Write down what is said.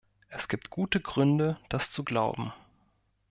Es gibt gute Gründe, das zu glauben.